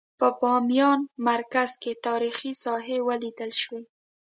په بامیان مرکز کې تاریخي ساحې ولیدل شوې.